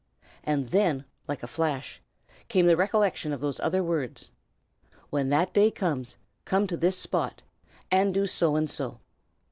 And then, like a flash, came the recollection of those other words: "When that day comes, come here to this spot," and do so and so.